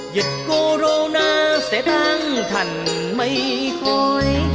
dịch corona sẽ tan thành mây khói